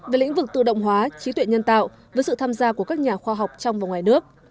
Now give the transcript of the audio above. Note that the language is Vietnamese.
về lĩnh vực tự động hóa trí tuệ nhân tạo với sự tham gia của các nhà khoa học trong và ngoài nước